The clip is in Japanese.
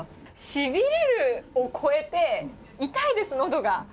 しびれるを超えて、痛いです、のどが。